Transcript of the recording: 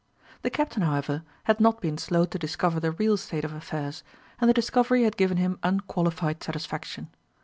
The Captain, however, had not been slow to discover the real state of affairs, and the discovery had given him unqualified satisfaction.